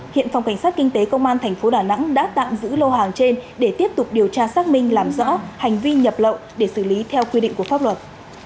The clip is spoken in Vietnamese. hiện phòng cảnh sát kinh tế công an tp đà nẵng đã tạm giữ lô hàng trên để tiếp tục điều tra xác minh làm rõ hành vi nhập lậu để xử lý theo quy định của pháp luật